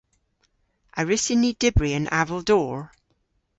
A wrussyn ni dybri an aval dor?